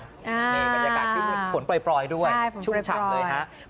มีบรรยากาศภูมิปล่อยด้วยชุ่มฉ่ำเลย